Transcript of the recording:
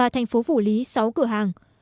thành phố phủ lý sáu cửa hàng